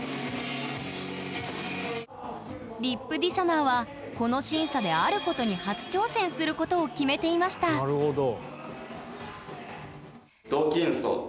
ＲＩＰＤＩＳＨＯＮＯＲはこの審査であることに初挑戦することを決めていましたなるほど。